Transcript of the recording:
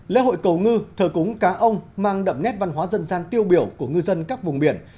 lễ hội cầu ngư thờ cúng cá ông mang đậm nét văn hóa dân gian tiêu biểu của ngư dân các vùng biển